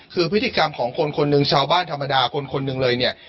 คือพฤติกรรมของคนคนหนึ่งชาวบ้านธรรมดาคนคนหนึ่งเลยเนี่ย